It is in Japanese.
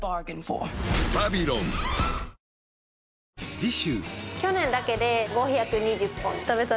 次週！